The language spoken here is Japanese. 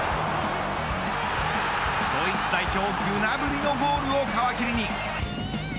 ドイツ代表グナブリのゴールを皮切りに。